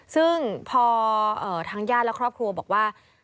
ซึ่งพอทางญาติและครอบครัวบอกว่า